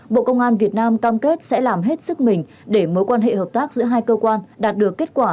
bộ công an việt nam cam kết sẽ làm hết sức mình để mối quan hệ hợp tác giữa hai cơ quan đạt được kết quả